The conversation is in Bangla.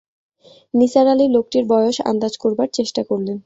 নিসার আলি লোকটির বয়স আন্দাজ করবার চেষ্টা করলেন।